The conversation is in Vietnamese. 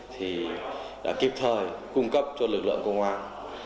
thì đã kịp thời cung cấp cho lực lượng công an